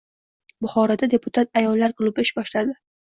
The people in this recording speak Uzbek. Buxoroda “Deputat ayollar klubi” ish boshladi